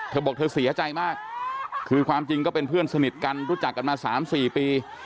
เธอบอกเธอเสียใจมากคือความจริงก็เป็นเพื่อนสนิทกันรู้จักกันมา๓๔ปี